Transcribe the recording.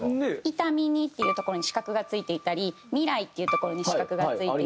「痛みに」っていう所に四角が付いていたり「未来」っていう所に四角が付いていたり。